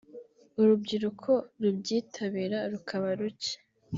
urubyiruko rubyitabira rukaba ruke